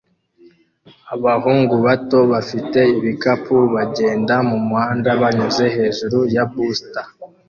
Abahungu bato bafite ibikapu bagenda mumuhanda banyuze hejuru ya busta